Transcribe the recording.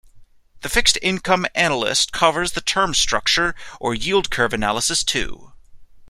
The Fixed Income Analyst covers the term structure or yield curve analysis too.